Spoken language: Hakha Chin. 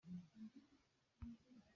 A kutneh aa dawh.